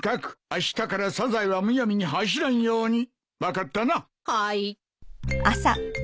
あしたからサザエはむやみに走らんように